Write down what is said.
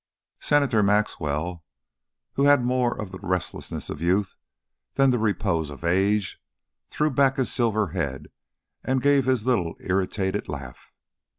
Senator Maxwell, who had more of the restlessness of youth than the repose of age, threw back his silver head and gave his little irritated laugh.